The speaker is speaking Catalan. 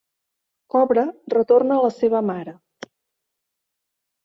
Cobra retorna la seva mare.